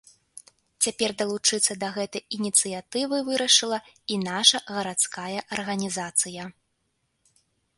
Цяпер далучыцца да гэтай ініцыятывы вырашыла і наша гарадская арганізацыя.